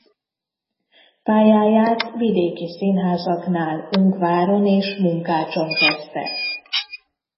Pályáját vidéki színházaknál Ungváron és Munkácson kezdte.